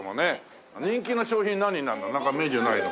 人気の商品何になるの？